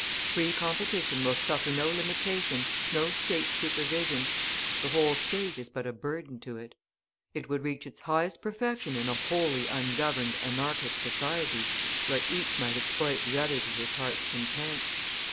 Free competition will suffer no limitation, no State supervision; the whole State is but a burden to it. It would reach its highest perfection in a wholly ungoverned anarchic society, where each might exploit the other to his heart's content.